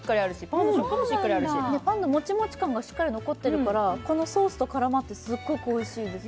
パンのモチモチ感がしっかり残ってるから、このソースと絡まってすごくおいしいです。